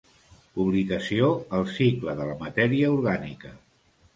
Publicació "El cicle de la matèria orgànica"